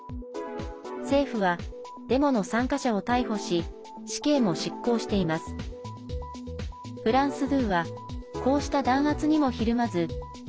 政府は、デモの参加者を逮捕し死刑も執行しています。